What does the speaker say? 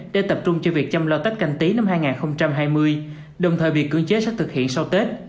để tập trung cho việc chăm lo tết canh tí năm hai nghìn hai mươi đồng thời việc cưỡng chế sẽ thực hiện sau tết